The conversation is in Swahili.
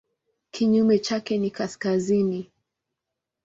Kinyume chake ni kaskazini.